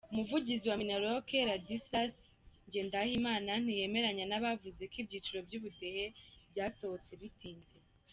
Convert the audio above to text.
Umuvugizi wa Minaloc, Ladislas Ngendahimana, ntiyemeranya n’abavuga ko ibyiciro by’ubudehe byasohotse bitinze.